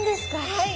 はい！